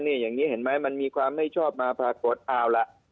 เนี้ยอย่างนี้เห็นไหมมันมีความไม่ชอบมาภาโกรธอ้าวล่ะ